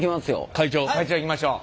会長会長いきましょう。